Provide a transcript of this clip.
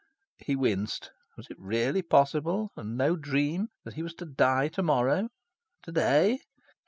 He winced. Was it really possible, and no dream, that he was to die to morrow to day?